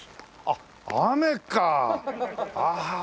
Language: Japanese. あっ雨かあ。